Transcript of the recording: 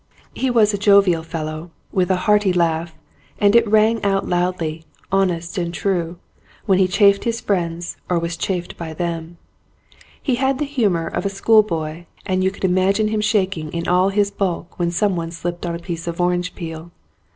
He was a jovial fellow, with a hearty laugh, and it rang out loudly, honest and true, when he chaffed his friends or was chaffed by them. He had the humour of a school boy and you could imagine him shaking in all his bulk when someone slipped on a piece of orange peel.